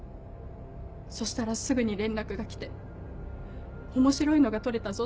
そしたらすぐに連絡が来て「面白いのが撮れたぞ」